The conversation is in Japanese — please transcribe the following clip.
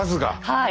はい。